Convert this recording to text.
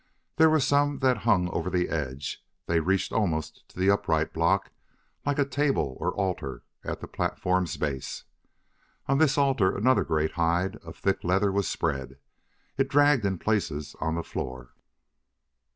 There were some that hung over the edge; they reached almost to the upright block like a table or altar at the platform's base. On this altar another great hide of thick leather was spread; it dragged in places on the floor.